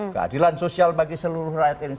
keadilan sosial bagi seluruh rakyat indonesia